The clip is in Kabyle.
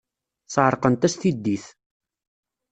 Sɛerqent-as tiddit.